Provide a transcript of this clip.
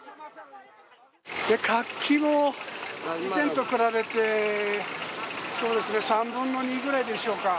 活気も以前と比べて３分の２ぐらいでしょうか。